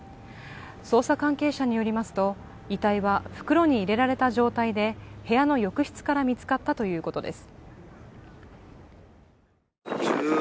捜査関係者によりますと、遺体は袋に入れられた状態で部屋の浴室から見つかったということです。